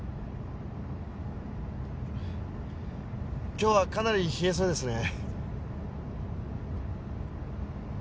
・今日はかなり冷えそうですね。